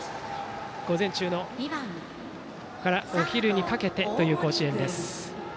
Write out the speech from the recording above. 午前中からお昼にかけてという甲子園です。